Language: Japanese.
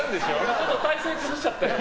ちょっと体勢崩しちゃって。